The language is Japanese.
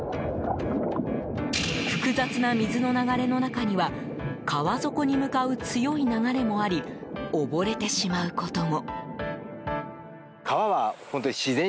複雑な水の流れの中には川底に向かう強い流れもあり溺れてしまうことも。